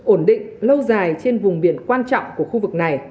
ổn định lâu dài trên vùng biển quan trọng của khu vực này